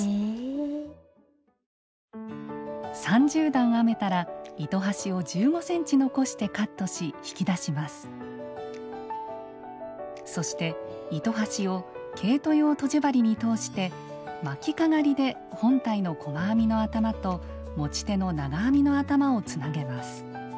３０段編めたらそして糸端を毛糸用とじ針に通して巻きかがりで本体の細編みの頭と持ち手の長編みの頭をつなげます。